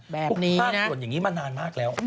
ทุกภาคส่วนอย่างนี้มานานมากแล้ว